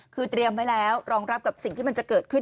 คือเตรียมไว้แล้วรองรับกับสิ่งที่มันจะเกิดขึ้น